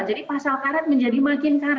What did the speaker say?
jadi pasal karet menjadi makin karet